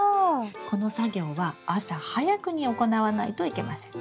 この作業は朝早くに行わないといけません。